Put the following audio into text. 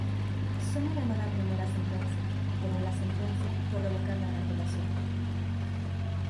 Sony ganó la primera sentencia, pero la sentencia fue revocada en apelación.